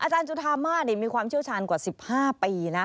จุธามาศมีความเชี่ยวชาญกว่า๑๕ปีนะ